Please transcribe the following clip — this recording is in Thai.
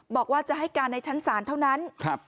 บอกว่าจะให้การในชั้นศาลเท่านั้น